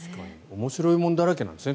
面白いものだらけなんですね